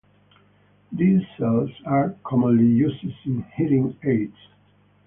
These cells are commonly used in hearing aids.